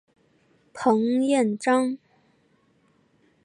彭彦章。